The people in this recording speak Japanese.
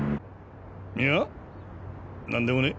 いや何でもねえ。